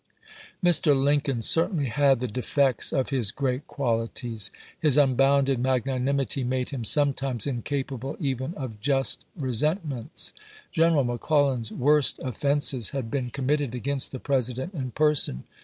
Mr. Lincoln certainly had the defects of his great qualities. His unbounded magnanimity made him sometimes incapable even of just resentments. pope's vikginia campaign 23 Greneral McClellan's worst offenses had been com chap. i. mitted against the President in person.